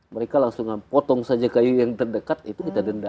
mereka langsung potong saja kayu yang terdekat itu kita denda